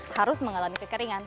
harus mengalami kekeringan